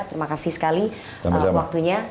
terima kasih sekali waktunya